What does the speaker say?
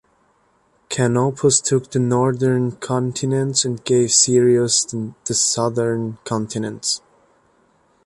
Canopus took the northern continents and gave Sirius the southern continents.